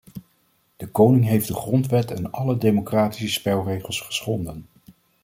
De koning heeft de grondwet en alle democratische spelregels geschonden.